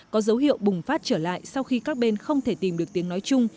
có dấu hiệu bùng phát trở lại sau khi các bên không thể tìm được tiếng nói chung